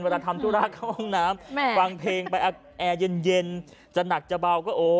ทำธุระเข้าห้องน้ำฟังเพลงไปแอร์เย็นจะหนักจะเบาก็โอ้